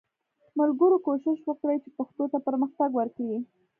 ملګرو کوښښ وکړئ چې پښتو ته پرمختګ ورکړو